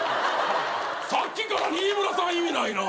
さっきから新村さん意味ないな。